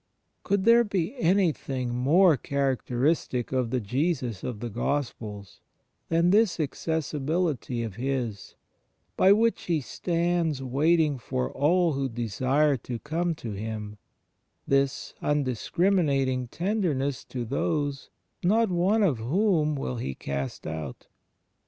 Could there be any 5 50 THE FRIENDSHIP OF CHRIST thing more characteristic of the Jesus of the Gospels than this accessibility of His — by which He stands waiting for all who desire to come to Him — this undis criminating tenderness to those, not one of whom will He cast out?